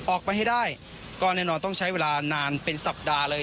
ออกไปให้ได้ก็แน่นอนต้องใช้เวลานานเป็นสัปดาห์เลย